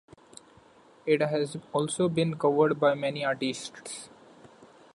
It has also been covered by many artists.